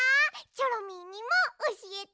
チョロミーにもおしえて！